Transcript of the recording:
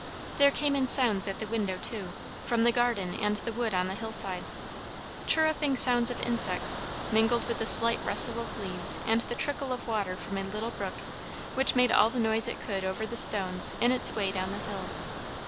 There came in sounds at the window too, from the garden and the wood on the hillside; chirruping sounds of insects, mingled with the slight rustle of leaves and the trickle of water from a little brook which made all the noise it could over the stones in its way down the hill.